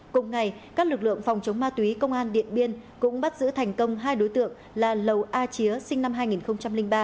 cùng ngày các lực lượng phòng chống ma túy công an điện biên cũng bắt giữ thành công hai đối tượng là lầu a chía sinh năm hai nghìn ba